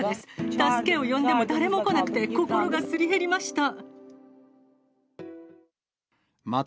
助けを呼んでも誰も来なくて、心がすり減りました。